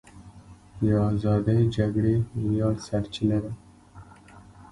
د ازادۍ جګړې د ویاړ سرچینه ده.